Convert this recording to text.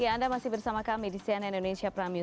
ya anda masih bersama kami di cnn indonesia prime news